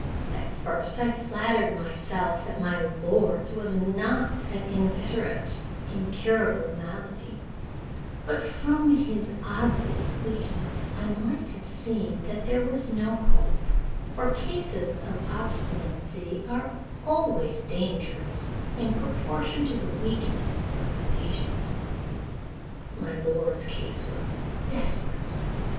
"I at first flattered myself that my lord's was not an inveterate, incurable malady: but from his obvious weakness, I might have seen that there was no hope; for cases of obstinacy are always dangerous in proportion to the weakness of the patient. My lord's case was desperate.